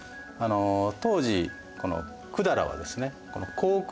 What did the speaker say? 当時この百済はですね